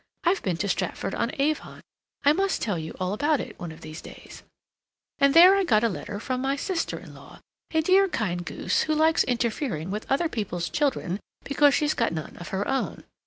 I've been to Stratford on Avon (I must tell you all about that one of these days), and there I got a letter from my sister in law, a dear kind goose who likes interfering with other people's children because she's got none of her own.